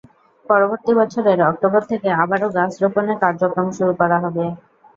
পরবর্তী বছরের অক্টোবর থেকে আবারও গাছ রোপণের কার্যক্রম শুরু করা হবে।